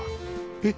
えっ！